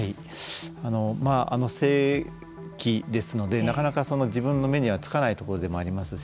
性器ですのでなかなか自分の目にはつかないところでもありますし。